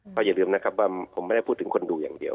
ก็อย่าลืมนะครับว่าผมไม่ได้พูดถึงคนดูอย่างเดียว